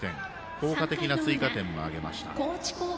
効果的な追加点を挙げました。